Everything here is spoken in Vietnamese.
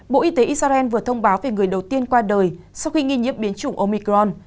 bộ y tế israel vừa thông báo về người đầu tiên qua đời sau khi nghi nhiễm biến chủng omicron